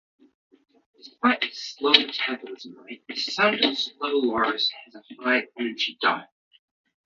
Despite its slow metabolism rate, the Sunda slow loris has a high-energy diet.